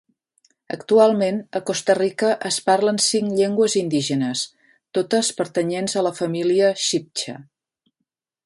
Actualment, a Costa Rica es parlen cinc llengües indígenes, totes pertanyents a la família txibtxa.